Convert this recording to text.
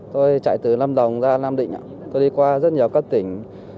tôi chạy từ lâm đồng ra nam định tôi đi qua rất nhiều các tỉnh